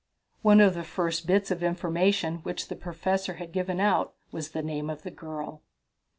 One of the first bits of information which the Professor had given out was the name of the girl.